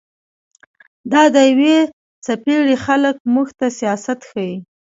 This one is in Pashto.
دا د يوې څپېړي خلق موږ ته سياست ښيي